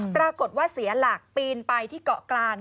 ปรากฏว่าเสียหลักปีนไปที่เกาะกลาง